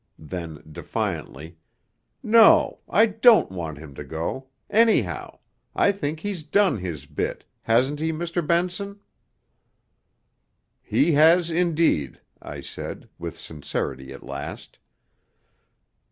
Then, defiantly, 'No, I don't want him to go ... anyhow ... I think he's done his bit ... hasn't he, Mr. Benson?' 'He has, indeed,' I said, with sincerity at last.